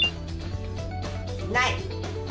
ない。